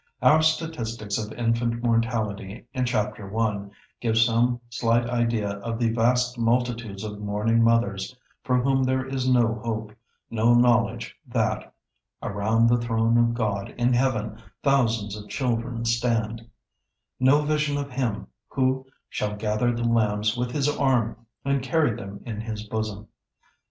Our statistics of infant mortality in Chapter I give some slight idea of the vast multitudes of mourning mothers for whom there is no hope, no knowledge that, "around the throne of God in heaven, thousands of children stand;" no vision of Him who "shall gather the lambs with His arm and carry them in His bosom."